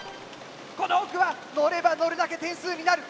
この奥はのればのるだけ点数になる！